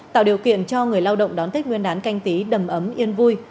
tạo điều kiện cho người lao động đón tết nguyên đán canh tí đầm ấm yên vui